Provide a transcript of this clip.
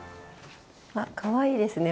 あかわいいですね